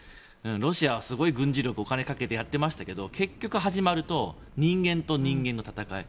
ロシアはすごい軍事力にお金をかけてやっていましたけれど結局始まると人間と人間の戦い。